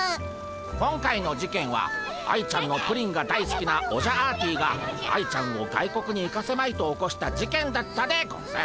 今回の事件は愛ちゃんのプリンが大すきなオジャアーティが愛ちゃんを外国に行かせまいと起こした事件だったでゴンス。